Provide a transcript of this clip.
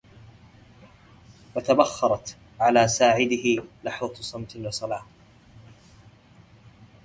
وتبخرت على ساعده لحظة صمت, وصلاه